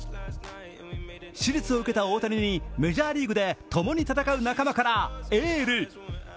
手術を受けた大谷にメジャーリーグで共に戦う仲間からエール。